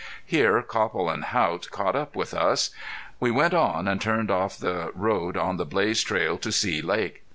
Here Copple and Haught caught up with us. We went on, and turned off the road on the blazed trail to See Lake.